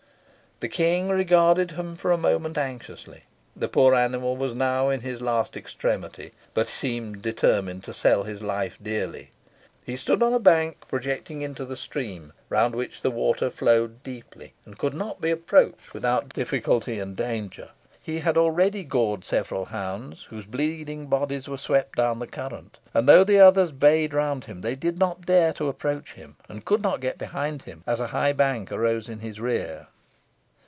The King regarded him for a moment anxiously. The poor animal was now in his last extremity, but he seemed determined to sell his life dearly. He stood on a bank projecting into the stream, round which the water flowed deeply, and could not be approached without difficulty and danger. He had already gored several hounds, whose bleeding bodies were swept down the current; and, though the others bayed round him, they did not dare to approach him, and could not get behind him, as a high bank arose in his rear.